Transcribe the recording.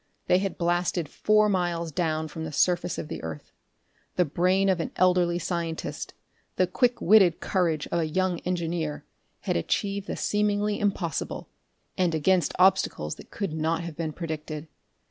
They had blasted four miles down from the surface of the earth. The brain of an elderly scientist, the quick witted courage of a young engineer, had achieved the seemingly impossible and against obstacles that could not have been predicted.